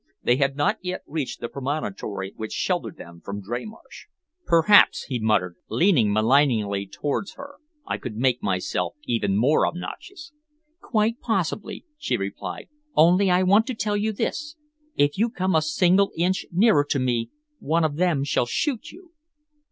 They had not yet reached the promontory which sheltered them from Dreymarsh. "Perhaps," he muttered, leaning malignly towards her, "I could make myself even more obnoxious." "Quite possibly," she replied, "only I want to tell you this. If you come a single inch nearer to me, one of them shall shoot you."